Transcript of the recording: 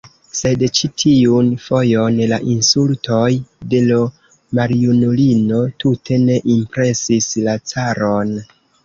Sed ĉi tiun fojon la insultoj de l' maljunulino tute ne impresis la caron.